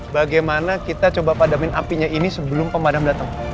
bagaimana kita coba padamin apinya ini sebelum pemadam datang